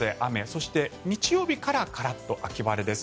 そして日曜日からカラッと秋晴れです。